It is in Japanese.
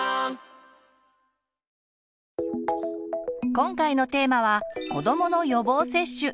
今回のテーマは「子どもの予防接種」。